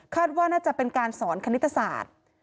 ว่าน่าจะเป็นการสอนคณิตศาสตร์